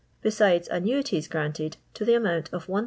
besides annuities granted to the amount of 1125